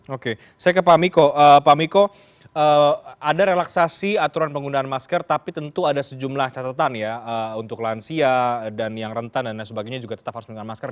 oke saya ke pak miko pak miko ada relaksasi aturan penggunaan masker tapi tentu ada sejumlah catatan ya untuk lansia dan yang rentan dan lain sebagainya juga tetap harus menggunakan masker